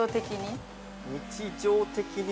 日常的に。